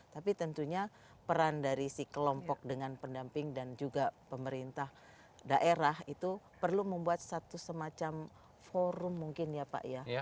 tapi tentunya peran dari si kelompok dengan pendamping dan juga pemerintah daerah itu perlu membuat satu semacam forum mungkin ya pak ya